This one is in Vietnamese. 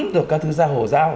rồi các thứ ra hồ giao